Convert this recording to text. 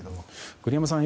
栗山さん